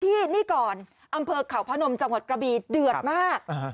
ที่นี่ก่อนอำเภอเขาพนมจังหวัดกระบีเดือดมาก